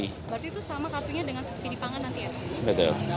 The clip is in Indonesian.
berarti itu sama kartunya dengan subsidi pangan nanti ya